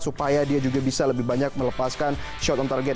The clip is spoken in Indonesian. supaya dia juga bisa lebih banyak melepaskan shot on target